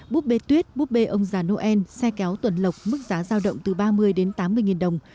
búp bê tuyết búp bê ông già noel xe kéo tuần lộc mức giá giao động từ ba mươi đến tám mươi nghìn đồng